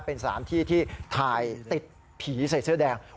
เป็นสถานที่ที่ถ่ายติดผีใส่เสื้อแดง